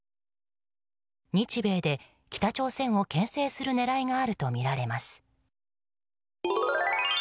日米で北朝鮮を牽制する狙いがあるとみられます。